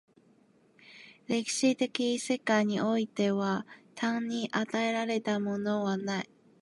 歴史的世界においては単に与えられたものはない。